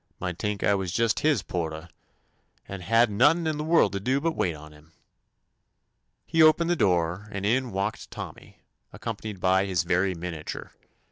Might tink I was jist his portah, and had n't nothin' in the worl' to do but wait on him I" He opened the door, and in walked Tommy, accompanied by his very miniature.